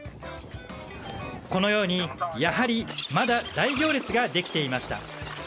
このように、やはりまだ大行列ができていました。